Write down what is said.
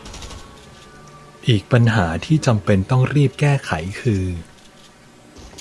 อีกปัญหาที่จำเป็นต้องรีบแก้ไขคือ